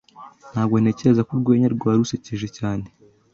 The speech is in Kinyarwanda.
Ntabwo ntekereza ko urwenya rwa rusekeje cyane.